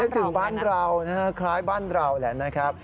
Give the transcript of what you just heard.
นึกถึงบ้านเราคล้ายบ้านเราแหละนะ